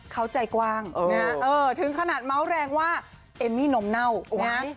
เขาใจกว้างนะฮะถึงขนาดเมาส์แรงว่าเอมมี่นมเน่านะ